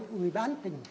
người bán tỉnh